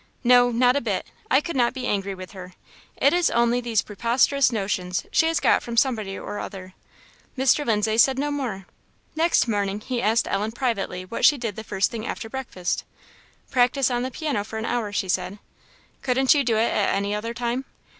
"No, not a bit. I could not be angry with her. It is only those preposterous notions she has got from somebody or other." Mr. Lindsay said no more. Next morning he asked Ellen privately what she did the first thing after breakfast. "Practise on the piano for an hour," she said. "Couldn't you do it at any other time?"